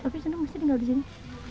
sofi seneng masih tinggal di sini